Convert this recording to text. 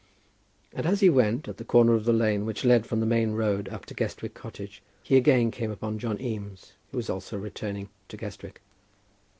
And as he went, at the corner of the lane which led from the main road up to Guestwick cottage, he again came upon John Eames, who was also returning to Guestwick.